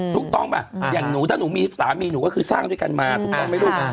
ถูกต้องป่ะอย่างหนูถ้าหนูมีสามีหนูก็คือสร้างด้วยกันมาถูกต้องไหมลูก